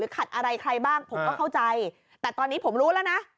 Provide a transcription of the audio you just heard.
ขัดอะไรใครบ้างผมก็เข้าใจแต่ตอนนี้ผมรู้แล้วนะ